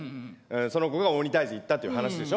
その子が鬼退治行ったっていう話でしょ。